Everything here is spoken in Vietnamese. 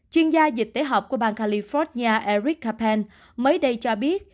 chuyên gia dịch tế họp của bang california eric kapan mới đây cho biết